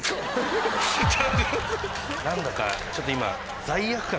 何だかちょっと今。